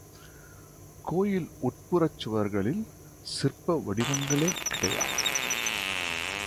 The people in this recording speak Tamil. கோயில் உட்புறச் சுவர்களில் சிற்ப வடிவங்களே கிடையா.